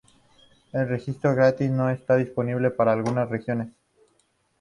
El registro gratis no está disponible para algunas regiones.